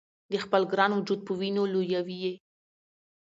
د خپل ګران وجود په وینو لویوي یې